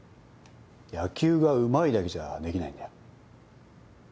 野球がうまいだけじゃできないんだよ